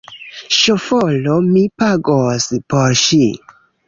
Ŝoforo! Mi pagos por ŝi